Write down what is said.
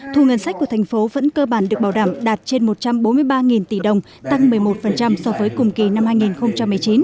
thu ngân sách của thành phố vẫn cơ bản được bảo đảm đạt trên một trăm bốn mươi ba tỷ đồng tăng một mươi một so với cùng kỳ năm hai nghìn một mươi chín